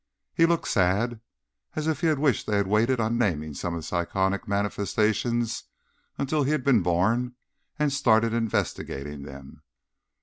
He looked sad, as if he wished they'd waited on naming some of the psionic manifestations until he'd been born and started investigating them.